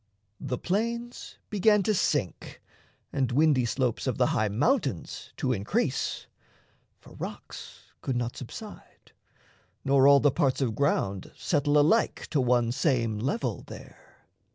The plains began to sink, and windy slopes Of the high mountains to increase; for rocks Could not subside, nor all the parts of ground Settle alike to one same level there.